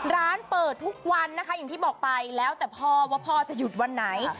ร้านเปิดทุกวันนะคะอย่างที่บอกไปแล้วแต่พ่อว่าพ่อจะหยุดวันไหน